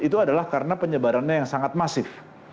itu adalah karena penyebarannya yang sangat masif